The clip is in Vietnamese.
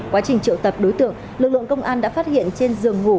quá trình triệu tập đối tượng lực lượng công an đã phát hiện trên giường ngủ